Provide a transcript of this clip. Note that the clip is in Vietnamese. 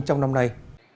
trong năm nay